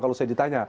kalau saya ditanya